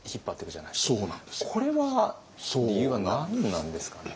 これは理由は何なんですかね？